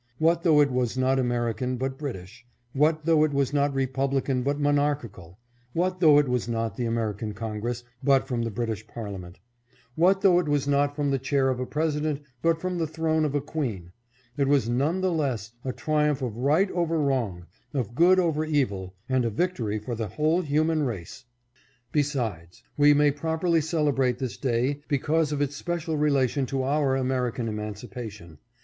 What though it was not American, but British ; what though it was not Republican, but Monarch ical ; what though it was not from the American Con gress, but from the British Parliament ; what though it was not from the chair of a President, but from the throne of a Queen, it was none the less a triumph of right over wrong, of good over evil, and a victory for the whole human race. 606 THE CAUSE OF HUMAN LIBERTY IS UNIVERSAL. Besides : We may properly celebrate this day because of its special relation to our American Emancipation.